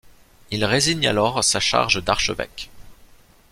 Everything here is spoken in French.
Il résigne alors sa charge d'archevêque.